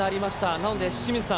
なので清水さん